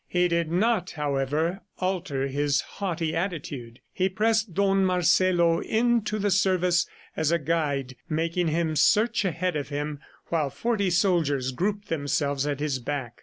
He did not, however, alter his haughty attitude. He pressed Don Marcelo into the service as a guide, making him search ahead of him while forty soldiers grouped themselves at his back.